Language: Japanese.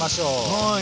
はい。